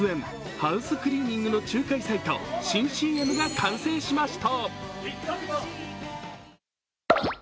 ハウスクリーニングの仲介サイト新ＣＭが完成しました。